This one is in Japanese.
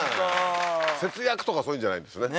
節約とかそういうのじゃないんですね